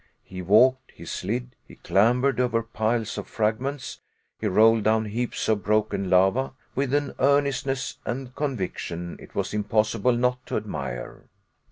He walked, he slid, he clambered over piles of fragments, he rolled down heaps of broken lava, with an earnestness and conviction it was impossible not to admire.